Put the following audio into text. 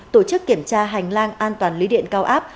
tổ chức kiểm tra hành lang an toàn lưới điện cao áp